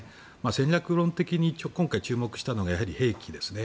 戦略論的に今回、注目したのが平気ですね。